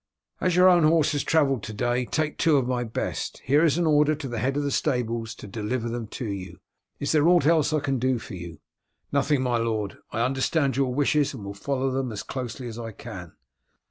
As your own horse has travelled to day take two of my best, here is an order to the head of the stables to deliver them to you. Is there aught else that I can do for you?" "Nothing, my lord. I understand your wishes, and will follow them as closely as I can."